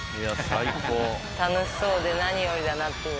楽しそうで何よりだなっていう。